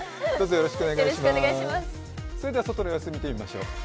それでは外の様子を見てみましょう。